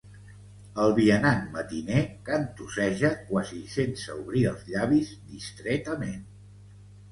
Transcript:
El vianant matiner cantusseja quasi sense obrir els llavis, distretament.